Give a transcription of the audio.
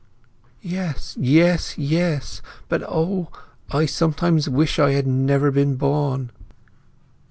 "Yes, yes, yes! But O, I sometimes wish I had never been born!"